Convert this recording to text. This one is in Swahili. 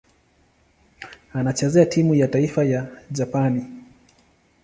Anachezea timu ya taifa ya Japani.